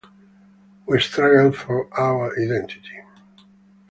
We struggled for our identity.